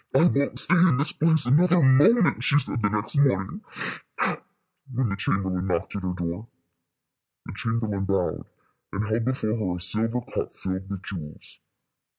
"I won't stay in this place another moment," she said, the next morning, when the chamberlain knocked at her door. The chamberlain bowed, and held before her a silver cup filled with jewels.